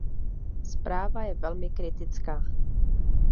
Zpráva je velmi kritická.